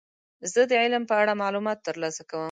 زه د علم په اړه معلومات ترلاسه کوم.